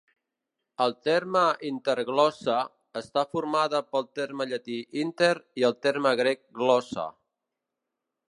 El terme "interglossa" està formada pel terme llatí "inter" i el terme grec "glossa".